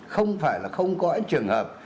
không phải là không có trường hợp